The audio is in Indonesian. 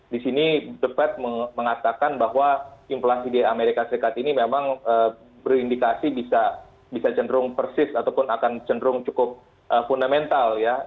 di sini the fed mengatakan bahwa inflasi di amerika serikat ini memang berindikasi bisa cenderung persis ataupun akan cenderung cukup fundamental ya